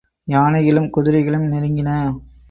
யானைகளும் குதிரைகளும் நெருங்கின.